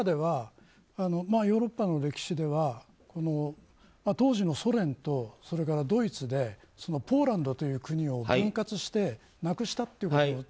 ヨーロッパの歴史では当時のソ連とそれからドイツでポーランドという国を分割してなくしたってことが。